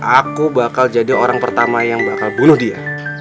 aku bakal jadi orang pertama yang bakal bunuh dia